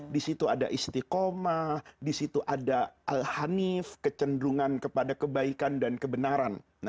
disitu ada istiqomah disitu ada alhanif kecenderungan kepada kebaikan dan kebenaran